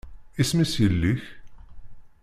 Isem-is yelli-k?